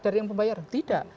dari yang membayar tidak